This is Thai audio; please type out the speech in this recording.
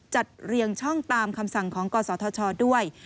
เรียงช่องตามคำสั่งของกศธชด้วย